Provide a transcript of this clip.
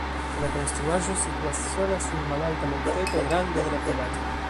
La konstruaĵo situas sola sur malalta monteto en rando de la vilaĝo.